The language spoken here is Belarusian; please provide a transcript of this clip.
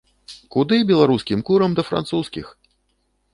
Куды беларускім курам да французскіх!